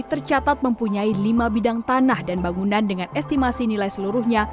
tercatat mempunyai lima bidang tanah dan bangunan dengan estimasi nilai seluruhnya